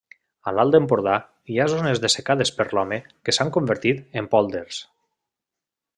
A l'Alt Empordà hi ha zones dessecades per l'home que s'han convertit en pòlders.